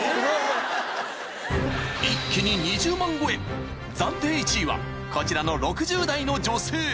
［一気に２０万超え暫定１位はこちらの６０代の女性］